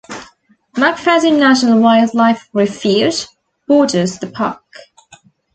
McFaddin National Wildlife Refuge borders the park.